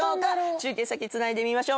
中継先つないでみましょう。